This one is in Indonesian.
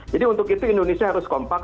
jadi untuk itu indonesia harus kompak